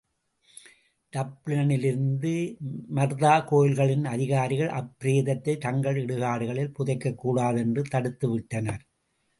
டப்ளினிலிருந்த மர்தாகோயில்களின் அதிகாரிகள் அப்பிரேதத்தைத் தங்கள் இடுகாடுகளில் புதைக்கக்கூடாது என்று தடுத்துவிட்டனர்.